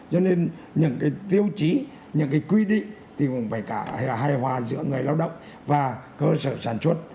cho nên những cái tiêu chí những cái quy định thì cũng phải cả hài hòa giữa người lao động và cơ sở sản xuất